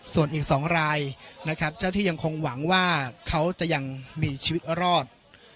ส่วนอีก๒รายนะครับเจ้าที่ยังคงหวังว่าเขาจะยังมีชีวิตรอด